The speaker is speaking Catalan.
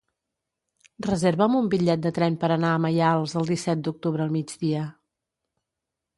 Reserva'm un bitllet de tren per anar a Maials el disset d'octubre al migdia.